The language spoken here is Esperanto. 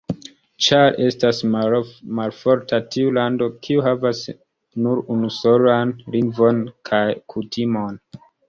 Ĉar estas malforta tiu lando, kiu havas nur unusolan lingvon kaj kutimon.